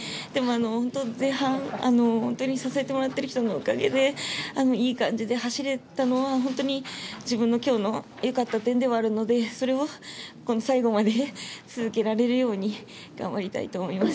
本当前半、本当に支えてもらってる人のおかげでいい感じで走れたのは自分のきょうの良かった点ではあるのでそれを最後まで続けられるように頑張りたいと思います。